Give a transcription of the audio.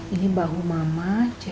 ini bahu mama jadi lebih enak